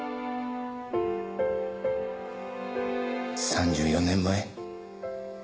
３４年前。